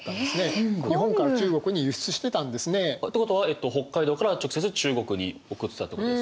日本から中国に輸出してたんですね。ってことは北海道から直接中国に送ってたってことですか？